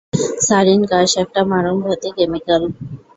Siren gas একটা মারণঘাতী chemical.